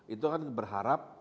itu kan berharap